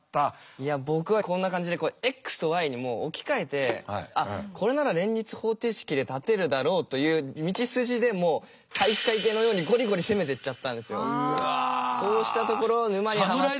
いや僕はこんな感じでこうｘとｙにもう置き換えてあっこれなら連立方程式で立てるだろうという道筋でもうそうしたところ沼にはまって。